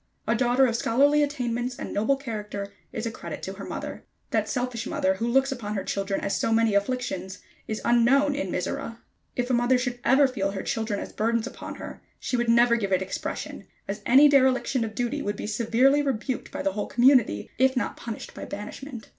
A daughter of scholarly attainments and noble character is a credit to her mother. That selfish mother who looks upon her children as so many afflictions is unknown to Mizora. If a mother should ever feel her children as burdens upon her, she would never give it expression, as any dereliction of duty would be severely rebuked by the whole community, if not punished by banishment.